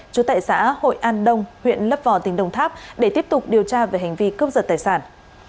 trú tại xã hội an đông huyện lấp vò tỉnh đồng tháp để tiếp tục điều tra về hành vi cướp giật tài sản